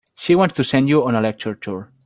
She wants to send you on a lecture tour.